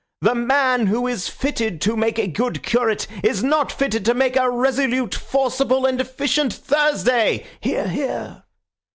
The man who is fitted to make a good curate is not fitted to make a resolute, forcible, and efficient Thursday (hear, hear)."